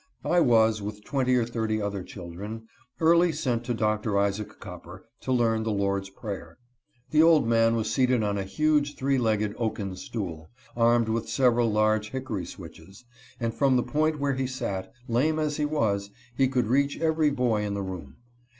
I was, with twenty or thirty other children, early sent to Doctor Isaac Copper, to learn the Lord's prayer. The old man was seated on a huge three legged oaken stool, armed with several large hickory switches, and from the point where he sat, lame as he was, he could reach every boy in the room.